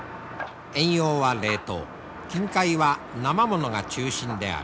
遠洋は冷凍近海はなま物が中心である。